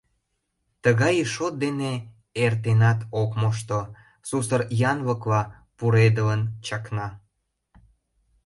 Тыгай ий шот дене эртенат ок мошто, — сусыр янлыкла пуредылын чакна.